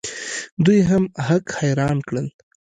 دوی هم هک حیران کړل.